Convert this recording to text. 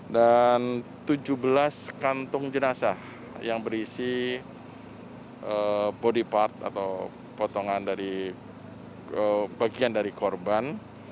dan tujuh belas kantong jenazah yang berisi body part atau potongan dari bagian dari korban